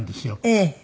ええ。